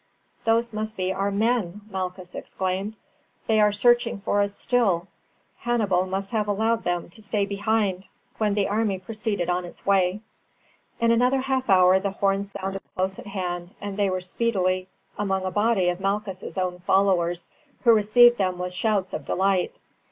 "Those must be our men," Malchus exclaimed, "they are searching for us still; Hannibal must have allowed them to stay behind when the army proceeded on its way." In another half hour the horn sounded close at hand and they were speedily among a body of Malchus' own followers, who received them with shouts of delight.